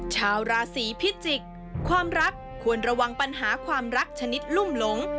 ชาวราศีพิจิกษ์ความรักควรระวังปัญหาความรักชนิดลุ่มหลง